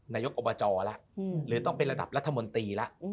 นายกอบจแล้วหรือต้องเป็นระดับรัฐมนตรีแล้ว